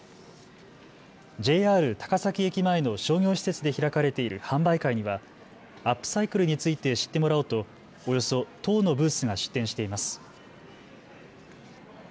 ＪＲ高崎駅前の商業施設で開かれている販売会にはアップサイクルについて知ってもらおうとおよそ１０のブースが出店しています。